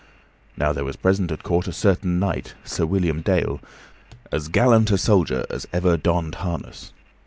Now there was present at court a certain knight, Sir William Dale, as gallant a soldier as ever donned harness.